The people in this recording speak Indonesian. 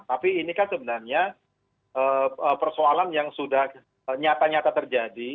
tapi inikan sebenarnya persoalan yang sudah nyata nyata terjadi